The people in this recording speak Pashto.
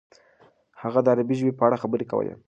هغه د عربي ژبې په اړه خبرې کولې.